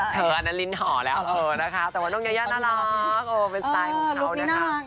อันนี้คือแบบว่าเอาพอประมาณ